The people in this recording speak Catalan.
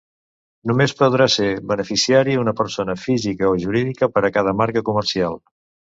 Només podrà ser beneficiari una persona física o jurídica per a cada marca comercial.